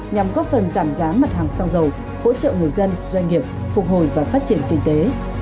nhằm góp phần giảm giá mặt hàng xăng dầu hỗ trợ người dân doanh nghiệp phục hồi và phát triển kinh tế